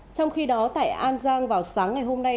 trong khi đó tại an giang vào sáng ngày hôm nay